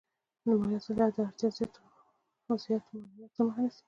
د مالیاتو اصلاح د اړتیا زیاتو مالیاتو مخه نیسي.